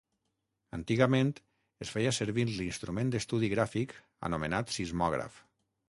Antigament es feia servir un l'instrument d'estudi gràfic anomenat sismògraf.